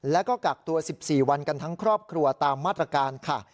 แล้วก็กักตัว๑๔วันกันทั้งครอบครัวตามมาตรการค่ะ